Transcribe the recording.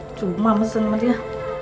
ih cuma mesennya